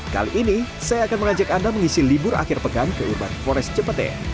kali ini saya akan mengajak anda mengisi libur akhir pekan ke uban forest cepete